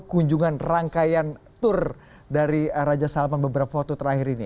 kunjungan rangkaian tour dari raja salman beberapa waktu terakhir ini